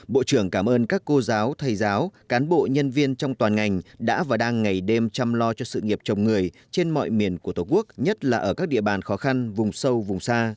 bộ trưởng cảm ơn các cô giáo thầy giáo cán bộ nhân viên trong toàn ngành đã và đang ngày đêm chăm lo cho sự nghiệp chồng người trên mọi miền của tổ quốc nhất là ở các địa bàn khó khăn vùng sâu vùng xa